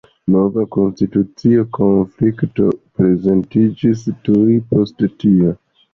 Nova konstitucia konflikto prezentiĝis tuj post tio.